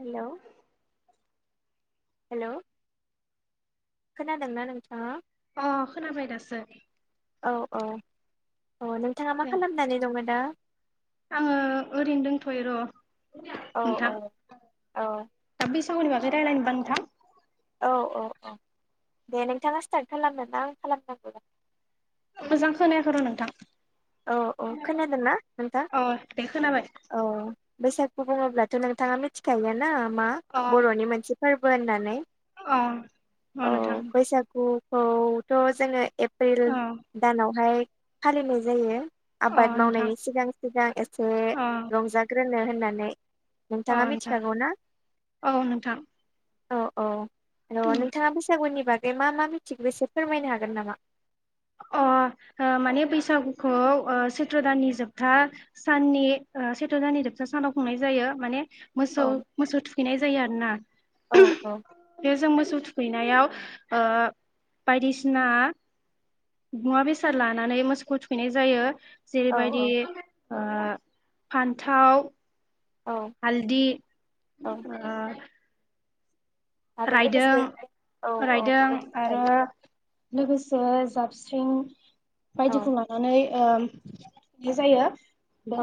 Hello hello खोनादोंंना नोंथाङा? ओ खोनाबाय दासो औ औ औ नोंथाङा मा दे खालामनानै दङ दा? आङो ओरैनो दंथयो र औ औ औ रायजलायनोबा नोंथां औ औ औ दे नोंथाङा स्टार्ट खालानोना आं खालामनांगौ दा मोजां खोनायाखै र नोंथां औ औ खोनादोंना नोंथां अ दे खोनाबाय औ बैसागु बुङोब्लाथ नोंथाङा मिथिखायो ना मा अ बर'नि मोनसे फोरबो होननानै अ अ नोंथां खौथ जोङो एप्रिल अ दानावहाय फालिनाय जायो अ आबाद नोंथां मावनायनि सिगां सिगां एसे अ रंजाग्रोनो होननानै अ नोंथाङा नोंथां मिथिखागौ ना औ नोंथां औ औ औ उम नोंथाङा बैसागुनि बागै मा मा मिथिगौ बेसे फोरमायनो हागोन नामा? अ ओ माने बैसागुखौ ओ सैथ्र दाननि जोबथा साननि ओ सैत्र दाननि जोबथा सानाव खुंनाय जायो माने औ मोसौ मोसौ थुखैनाय जायो आरो ना औ औ बे जों मोसौ थुख खैनायाव बायदिसिना मुवा बेसाद लानानै मोसौखौ थुखैनाय जायो औ जेरैबायदि औ ओ फान्थाव औ हालदि औ ओ आरो रायदों लोगोसे औ औ रायदों बेफोरखौ आरो जायो लोगोसे साबस्रिं बायदिखौ औ लानानैनाय ओ जायो।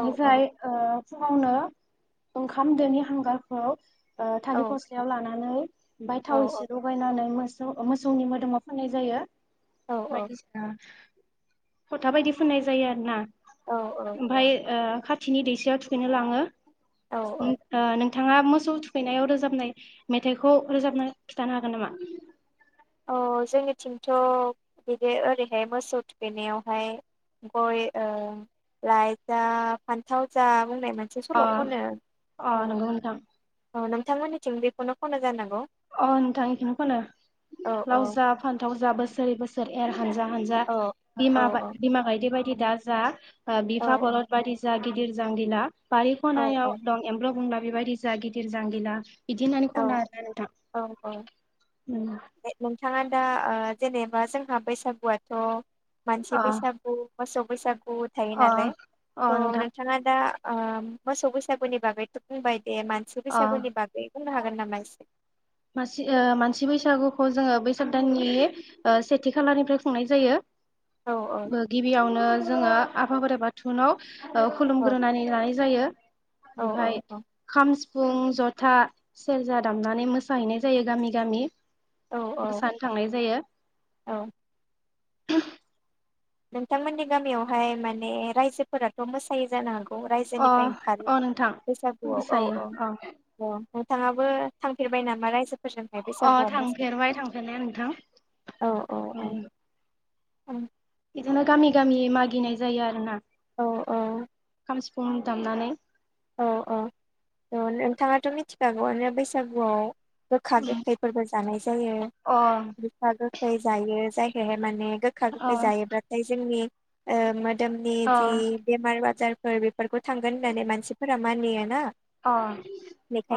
औ औ ओ फुङावनो ओंखाम दोनि हांगारखौ ओ औ थालिर फस्लायाव लानानै बाय औ थाव एसे लगायनानै मोस सौ मोसौनि मोदोमाव फाननाय जायो। औ बायदिसिना फोथा बायदि फुननाय जायो आरो ना औ ओमफ्राय ओ खाथ थिनि दैसायाव थुखैनो लाङो औ ओ उम नों थाङा मोसौ थुखैनायाव रोजाबनाय मेथाइखौ रोजाबना खिन्थानो हागोन नामा? औ जोंनिथिंथ बिदि ओरैहाय मोसौ थुखैनायावहा गय ओ लाय जा फान्थाव जा बुंनाय मोनसे अ सल खनो। अ नंगौ नोंथां औ नोंथांमोननिथिं बेखौनो खनो जानांगौ। अ नोंथां बेखौनो फानो औ औ लाव जा फानथाव जा बोसोरै बोसोर एर हानजा हानजा औ औ बिमा औ बिमा गायदे बायदि दा जा बिफा बरलद बायदि जा गिदिर जांगिला औ औ बारिखनायाव दं एम्ब बंला बेबायदि जा गिदिर ज गैला बिदि होननानै औ खना आरोना नोंथां। औ औ उम नोंथाङा दा ओ जेनेबा जोंहा बैसागुआथ मानसि अ बैसागु मोसौ बैसागु थायो अ नालाय अ थ नोंथां नोंथाङा दा। ओ मोसौ बैसागुनि बागैथ बुंबाय दे मानसिु अ बैसागुनि बागै हागोन नामा एसे? मासि ओ मानसि बैसागुखौ जोङो बैसाग दाननि सेथि ओ खालनिफ्राय खुंनाय जायो। औ औ गिबियावनो जोङो आफाबोराइ बाथौनाव औ खुलुमग्रोनानै लानाय जायो औ ओमफ्राय खाम सिफुं जथा सेरजा दामनानै मोसाहैनाय जायो गामि गामि औ औ मोसानो थांनाय जायो। औ नोंथांमोननि गामियावहाय माने रायजोफोराथ' मोसायोै जानो हाग। अ रायजोनिफ्राय ओंखारो अ नोंथां बैसागुआव औ मोसायो औ अ औ। नोंथाङाबो थांफेरबाय नामा रायजो? फोरजोंहनाय अ बैसागुआव मोजां थांफेरबाय थांफेरनाया नोंथां औ औ उम औ। औ बिदिनो गामि गामि मागिनाय जायो आरो ना। औ औ। सिफुं दामनानै औ औ नोंथाङाथ' मिथिखागौआनो बैसागुआव गोखा गोखैफोरबो जानाय जायो अ गोखा गोखै जायो जायखौहाय माने गोखा अ गोखै जायोब्लाथाय जोंनि मोदोमनि अ जि बेमार आजार फोर बेफोरखौ थांगोन होननानै मानसिफोरा मानियो ना अ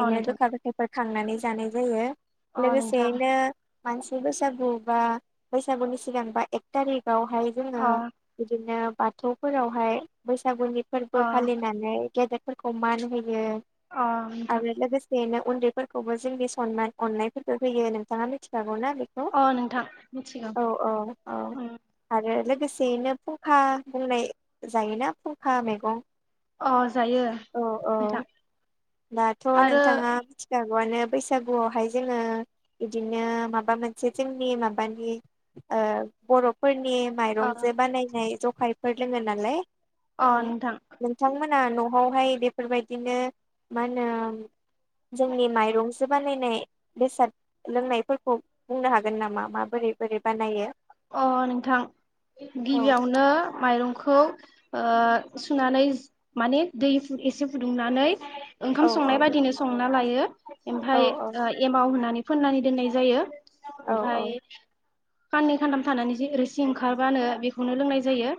अ नोंथां गोखा गोखैफोरखौ खांनानै जानाय जायो अ नोंथां लोगोसेयैनो मानसि बैसागु बा बैसागुनि सिगां बा एक थारिख बावहाय जोङो अ बिदिनो बाथौफोरावहाय बैस बैसागुनि फोरबो अ फालिनानै गेदेरफोरखौ मान होयो। अ नोंथां आरो लोगोसेनो उन्दैफोरखौबो जोंनि सनमान अननायफोरखौ होयो नोंथाङा मिथिखागौ।। ना बेखौ अ नोंथां मिथिगौ आरो औ औ औ उम आरो लोगोसेयैनो फुंखा बुंनाय जायोना फुंखा मैगं। अ जायो औ औ नोंथां। दाथ' आरो नोंथाङा मिथिखागौआनो बैसागुआवहाय जोङो बिदिनो माबा मोनसे जोंनि माबानि ओ बर'फोरनि नि अ माइरंजों बानायनाय जखायफोर लोङो नालाय। अ हो नोंथां नोंथांमोना न'हावहाय बेफोरबायदिनो मा होनो जोंनि माइरंस जो बानायनाय बेसाद लोंनायफोरखौ बुंनो हागोन नामा माबोरै बोरै बानायो? अ नोंथां औ गिबियावनो माइरंखौ ओ सुनानैज माने दै एसे फुदुंनानै औ ओंखाम औ संनाय बादिनो संना लायो औ ओमफाय औ एमाव होनानै फोननानै दोननाय जायो औ ओमफाय खाननै खानथाम थानानै जि रोसि ओंखारबानो बेखौनो लोंनाय जायो।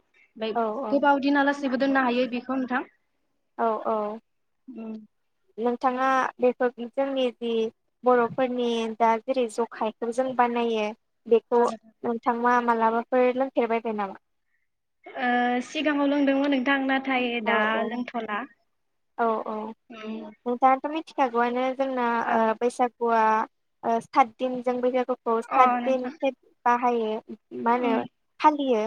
बाय औ गोबाव दिनालासेबो दोननो हायो बिखौ नोंथां। औ औ। उम। नोंथाङा बेफोरदि जोंनि जि बर'फोरनि दा जेरै जखायखौ जों बानाय यो बेखौ नोंथांआ मालाबाफोर लोंफेरबायबाय नामा? ओ सिगाङाव लोंदोंमोन नोंथां नाथाय औ दा औ लोंथ'ला। औ औ नोंथाङाथ' मिथिखागौआनो जोंना ओ बैसाग गुआ ओ सातदिनजों बैसागुखौ अ सातदिन नोंथां [unintelligible] बाहायो। मा होनो उम फालियो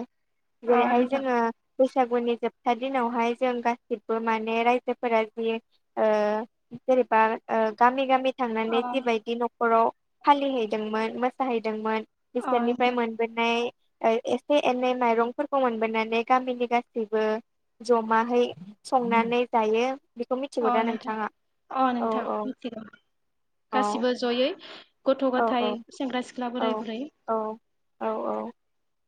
अ जेरैहाय नोंथां जोङो बैसागुनि जोबथा दिनावहाय जों गासिबो माने राय जोफोरा जियो ओ जेनेबा ओ गामि गामि अ थांनानै जिबायदि न'खराव फालिहैदोंमोन मोसाहैदोंमोन अ बिसोरनिफ्राय नोंथां मोनबोनाय ओइ एसे एनै माइरंफोरखौ मोनबोनानै गामिनि गासैबो जमाहै संनानै जायो। बेखौ अ मिथिगौ दा नोंथां नोंथाङा अ औ नोंथां औ मिथिगौ औ गासिबो जयै गथ' औ गथाय औ सेंग्रा सिख्ला औ बोराय बुरै औ औ औ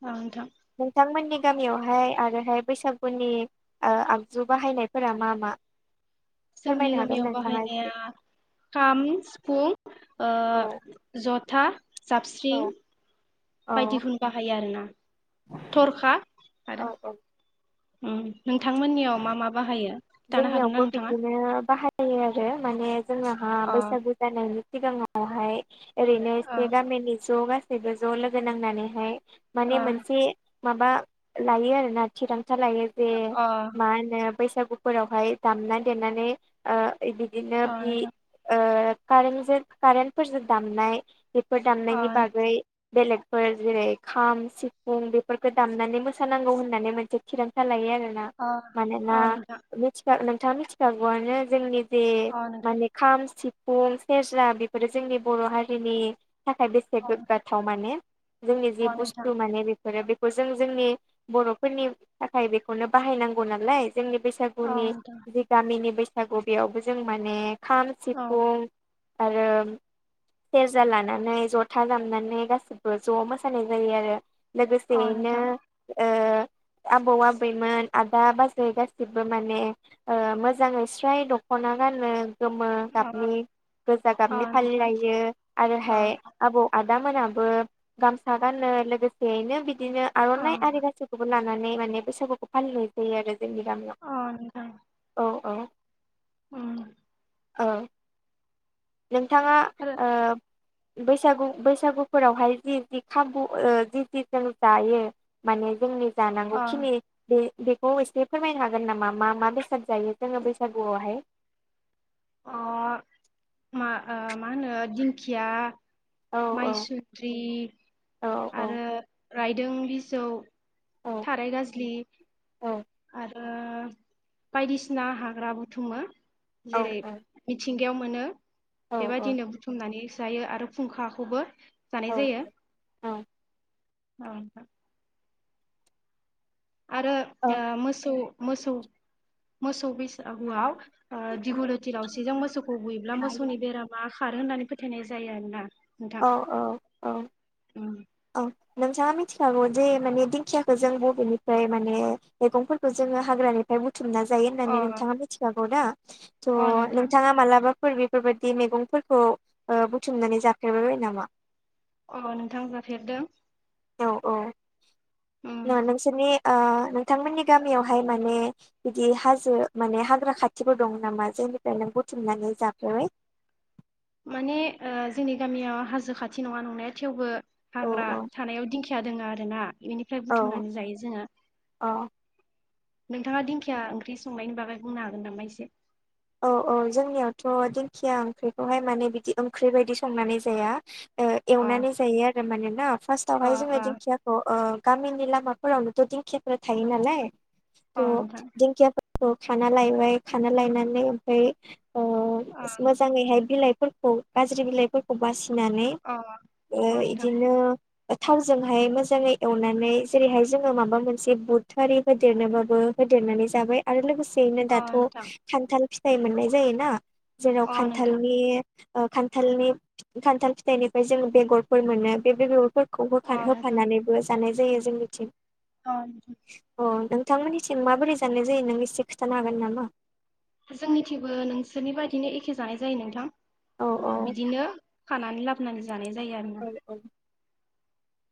ओ नोंथां। नोंथांमोननि गामियावहाय आरोहाय बैसागुनि ओ आगजु बाहायनायफोरा मा मा? [inaudible] जोंनि फोरमायनो हागोन गामियाव नोंथाङा एसे बाहायनाया खाम सिफुं ओ औ ज'था जाबस्रिं औ बायदिखौनो बाहायो आरोना थरखा आरो। औ औ उम नोंथांमोननियाव मा मा बाहायो? खिथानो हागोन ना जोंनियावबो नोंथाङा बिदिनो बाहायो आरो माने जोंनाहा अ बैसागु जानायनि सिगांङावहाय ओरैनो अ एसे गामिनि ज' गासैबो ज' लोगो नांनानैहाय माने अ मोनसे माबा लायो आरोना थिरां था लायो जे अ मा होनो बैसागुफोरावहाय दामना देनानै ओ ओइ बिदिनो अ बि नोंथां ओ कारेन्टजो कारेन्टफोरजो दामनाय फोर अ दामनायनि बागै बेलेगफोर जेरै खाम सिफुं बेफोरखौ दामनानै मोसानांगौ होननानै मोनसे थिरांथा लायो आरो ना अ मानोना अ नोंथां थिखा नोंथाङा मिथिखागौआनो जोंनि बे अ नोंथां माने खाम सि फुं सेरजा बेफोरो जोंनि बर' हारिनि थाखाय बेसे अ गोगाथाव माने जोंनि जि अ नोंथां बुस्थु माने बे फोरो बेखौ जों जोंनि बर'फोरनि थाखाय बेखौनो बाहायनांगौ नालाय जोंनि बे औ गुनि नोंथां जि गामिनि बैसागु बेयावबो जों माने खाम औ सिफुं आरो सेरजा लानानै ज'था दामनानै गासैबो ज' मोसानाय जायो आरो। औ लोगोसेयैनो नोंथां ओ आबौ आबैमोन आदा बाजै गासिबो। माने मोजाङै स्राय दख'ना गानो। गोमो अ गाबनि गोजा अ गाबनि नोंथां फालिलायो अ आरोहाय आबौ- आबै आदा मोनाबो गामसा गानो लोगोसेयैनो बिदिनो अ आर'नाइ आरि गासिखौबो लाना नै माने-माने बैसागुखौ फालिनाय जायो आरो जोंनि गामियाव। अ नोंथां। औ औ उम औ नोंथांङा आरो ओ बैसागु बैसागुफोरावहाय जि- जि खाबु ओ जि- जि जों जायो माने जोंनि अ अ जानांगौखिनि बे बेखौ एसे फोरमायनो हागोन नामा मा -मा बेसाद जायो जोङो बैसागुआवहाय? अ' मा ओ मा होनो दिंखिया औ माइसुन्द्रि औ औ आरो रायदों बिजौ औ थाराय गाजलि औ ओ बायदिसिना हाग्रा बुथुमो औ जेरै औ मिथिंग गायाव मोनो औ बेबायदिनो बुथुमनानै जायो आरो फुंखाखौबो जानाय औ जायो। अ' ह आरो ओ मोसौ- मोसौ- मोसौ बैसागुआव। ओ दिगुलथि लावसिजों मोसौखौ बुयोब्ला मोसौनि बेरामा खारो होननानै फोथायनाय जायो आरोना। नोंथां औ औ औ उम औ नोंथाङा मिथिखागौ जे माने दिंखियाखौ जों बबेनिफ्राय माने मैगंफोरखौ जों हाग्रानिफ्राय बुथुमना जायो अ होननानै नोंथांआ मिथिखागौदा तो अ नोंथां नोंथाङा मालाबा फोर बेफोरबायदि मैगंफोरखौ बुथुमनानै जाफेरबायबाय नामा? अ' नोंथां जाफेरदों। औ औ उम नङा नोंसोरनि ओ नोंथांमोननि गामियावहाय माने बिदि हाजो माने हाग्रा खाथिफोर दं नामा जे निफ्राय नों बुथुमनानै जाफेरबाय माने ओ जोंनि गामियाव हाजो खाथि नङा नंनाया थेवबो औ हाग्रा औ थानायाव दिंखिया दङो आरो ना बेनिफ्राय औ बुथुमनानै जायो जोङो औ नोंथाङा दिंखिया ओंख्रि संनायनि बागै बुंनो हागोन नामा एसे औ औ जोंनियावथ' दिंखिया ओंख्रिखौहाय माने बिदि ओंख्रि बायदि संनानै जाया ओ अ एवनानै जायो आरो मानोना अ फार्स्टआवहाय जोङो अ दिंखियाखौ गामिनि लामाफोरावनोथ' दिंखियाफोरा थायो नालाय अ त नोंथां दिंखिया खौ खाना लायबाय खाना लायनानै ओमफ्राय अ मोजाङैहाय बिलाइ फोरखौ गाज्रि बिलाइफोरखौ बासिनानै अ अ नोंथां इदिनो थावजोंहाय मोजाङै एवनानै जेरैहाय जोङो माबा मोनसे बुथआरि होदेरनोबाबो होदेरनानै जाबाय आरो लोगोसे बेनो अ दाथ' नोंथां खान्थाल फिथाइ मोननाय जायोना जेराव अ नोंथां खान्थालनि खान्थालनि खान्थाल फिथाइनिफ्राय जोङो बेगरफोर मोनो बे बेगर फोर अ होता नोंथां होफानानैबो जानाय जायो जोंनिथिं। अ नोंथां नोंथां मोननिसिम माबोरै जानाय जायो नों एसे खिन्थानो हागोन नामा? जोंनिथिेबो नोंसोरनि बायदिनो एखे जानाय जायो औ नोंथां बिदिनो खानानै लाबो नानै जानाय जायो आरो औ ना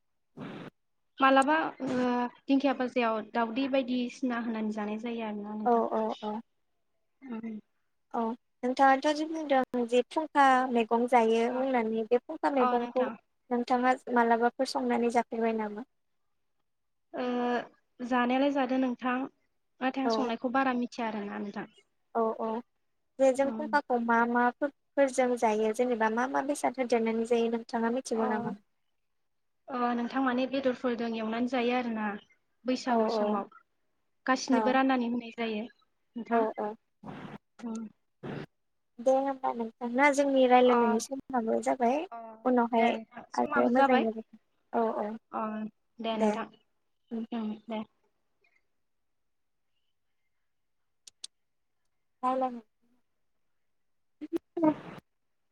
[inaudible] मालाबा ओ दिंखिया भाजायाव दाउदै बायदिसिना होननानै जानाय जायो जायो आरोना औ औ औ नोंथां औ नोंथाङाथ' जे बुंदों जे फुंखा मेगं मैगं जायो बुंनानै बे फुंखा अ मैगंखौ नोंथां नोंथाङा मालाबाफोर संनानै जाफेरबाय नामा ओ जानायालाय जादो नोंथां नाथाय औ आं संनायखौ बारा मिथिया आरोना नोंथां औ औ जे जों अ फुंखाखौ मा मा फोरजों जायो जेनेबा मा मा बेसाद होदेरनानै जायो नों अ अ नोंथां माने बेदरफोरजों एवनानै जायो आरोना औ बैसागु औ समाव औ गासिनोबो राननानै होननाय जायो औ नोंथां औ ओम दे होमबा नोंथां जोंनि अ रायजलायनायनि समाबो जाबाय अ दे उनावहाय नोंथां समाबो आरो मोजाङै जाबाय मोजां औ औ अ दे नोंथां ओम दे [unintelligible] [inaudible]